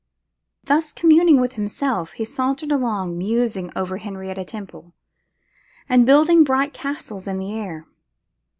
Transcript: Thus communing with himself, he sauntered along, musing over Henrietta Temple, and building bright castles in the air.